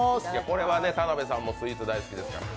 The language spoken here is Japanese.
これは田辺さんもスイーツ大好きですから。